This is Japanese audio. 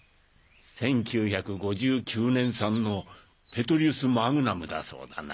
１９５９年産のペトリュスマグナムだそうだな。